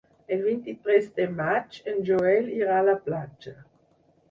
El vint-i-tres de maig en Joel irà a la platja.